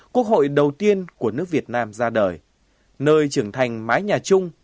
quốc hội đầu tiên của nước việt nam ra đời nơi trưởng thành mái nhà chung